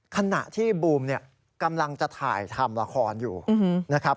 ขณะที่บูมเนี่ยกำลังจะถ่ายทำละครอยู่นะครับ